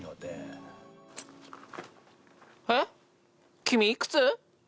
君いくつ？